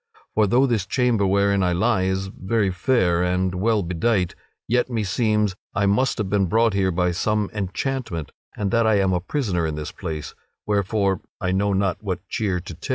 For though this chamber wherein I lie is very fair and well bedight, yet meseems I must have been brought here by some enchantment, and that I am a prisoner in this place; wherefore I know not what cheer to take."